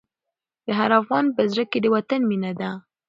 د هر افغان په زړه کې د وطن مینه ده.